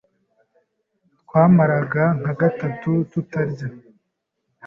Twamaraga nka gataatu tutarya